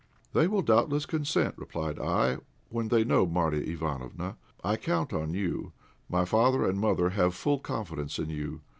"They will doubtless consent," replied I, "when they know Marya Ivánofna. I count on you. My father and mother have full confidence in you.